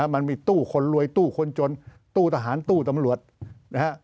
มันมีตู้คนรวยตู้คนจนตู้ทหารตู้ตำรวจนะฮะ